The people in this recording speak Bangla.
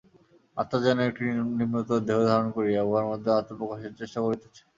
আত্মা যেন একটি নিম্নতর দেহ ধারণ করিয়া উহার মাধ্যমে আত্মপ্রকাশের চেষ্টা করিতেছে।